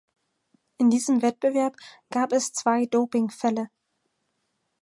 In diesem Wettbewerb gab es zwei Dopingfälle.